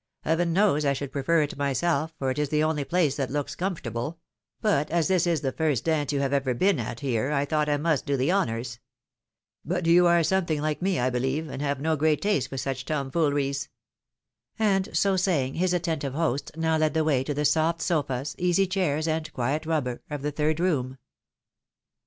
Heaven knows I should prefer it myself, for it is the only place that looks comfortable ; but as this is the first dance you have ever been at here, I thought I must do the honours. But you are something like me, I beheve, and have no great taste for such Tomfooleries." And so saying, his attentive host now led the way to the soft sofas, easy chairs, and quiet rubber of the third room.